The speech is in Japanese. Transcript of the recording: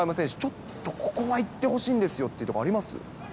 ちょっとここは行ってほしいんですよってとこあります？